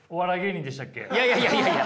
いやいやいやいや！